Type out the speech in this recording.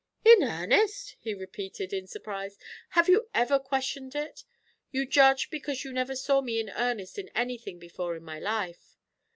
"In earnest!" he repeated in surprise. "Have you ever questioned it? You judge because you never saw me in earnest in anything before in my life."